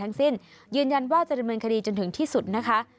ทั้งสิ้นยืนยันว่าจะดำเนินคดีจนถึงที่สุดนะคะ